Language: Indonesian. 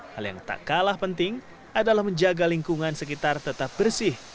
hal yang tak kalah penting adalah menjaga lingkungan sekitar tetap bersih